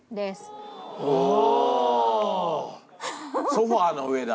ソファの上だ。